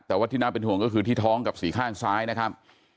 แต่ว่าที่น่าเป็นห่วงก็คือที่ท้องกับสี่ข้างซ้ายนะครับ